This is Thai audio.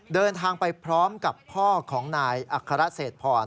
เดินทางไปพร้อมกับพ่อของนายอัครเศษพร